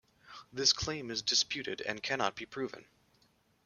This claim is disputed and cannot be proven.